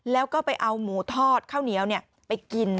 แล้วก็ไปเอาหมูทอดข้าวเหนียวไปกิน